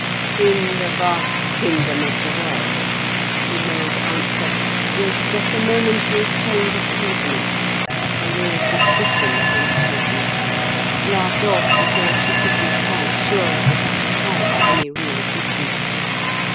"In the vast Kingdom of the World," he made answer, with just a momentary change of countenance a mere suspicion of embarrassment: laughed off before she could be quite sure that it had had any real existence.